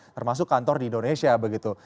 termasuk kantor di indonesia begitu